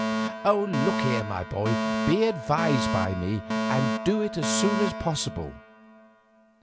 Look here, my boy, be advised by me, and do it as soon as possible.